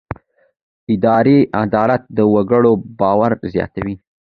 اداري عدالت د وګړو باور زیاتوي.